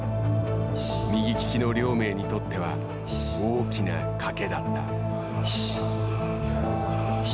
右利きの亮明にとっては大きなかけだった。